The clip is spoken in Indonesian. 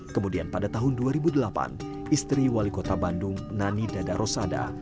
kemudian pada tahun dua ribu delapan istri wali kota bandung nani dada rosada